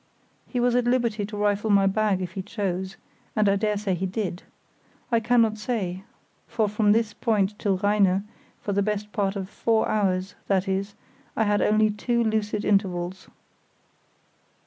He was at liberty to rifle my bag if he chose, and I dare say he did. I cannot say, for from this point till Rheine, for the best part of four hours, that is, I had only two lucid intervals.